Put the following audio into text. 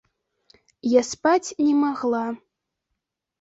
Я спаць не магла.